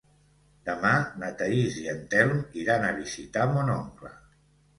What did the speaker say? Demà na Thaís i en Telm iran a visitar mon oncle.